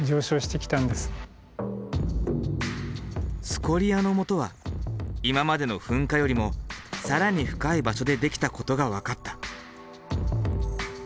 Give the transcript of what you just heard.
スコリアのもとは今までの噴火よりも更に深い場所でできたことが分かった。